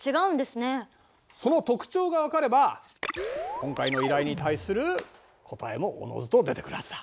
その特徴が分かれば今回の依頼に対する答えもおのずと出てくるはずだ。